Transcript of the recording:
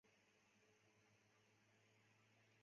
检察机关围绕大局抓的工作与总书记的要求完全吻合